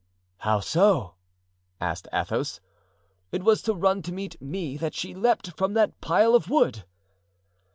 "How so?" asked Athos. "It was to run to meet me that she leaped from that pile of wood."